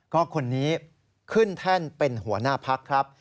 ก็คนนี้ขึ้นแท่นเป็นหัวหน้าพักครับ